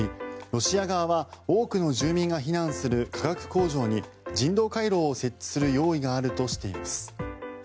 ロシア側は多くの住民が避難する化学工場に人道回廊を設置する用意があるとしています。